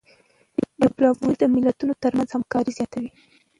ډيپلوماسي د ملتونو ترمنځ همکاري زیاتوي.